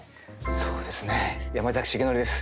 そうですね山崎樹範です。